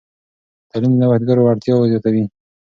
تعلیم د نوښتګرو وړتیاوې زیاتوي.